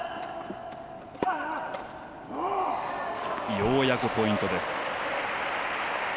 ようやくポイントです。